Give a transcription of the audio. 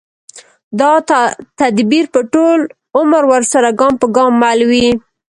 دا تدبیر به ټول عمر ورسره ګام پر ګام مل وي